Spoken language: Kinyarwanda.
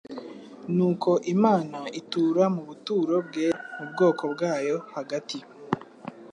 Nuko Imana itura mu buturo bwera mu bwoko bwayo hagati.